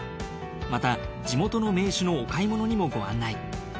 また地元の銘酒のお買い物にもご案内。